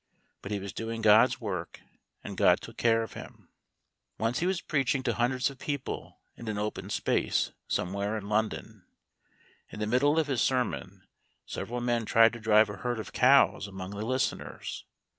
But he was doing God's work, and God took care of him. Once he was preaching to hundreds of people in an open space somewhere in London. In the middle of his sermon, several men tried to drive a herd of cows among the listeners.